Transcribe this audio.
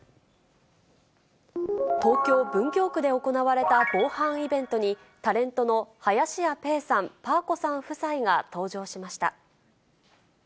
東京・文京区で行われた防犯イベントに、林家ぺーさん、パー子さん夫妻が登場しました。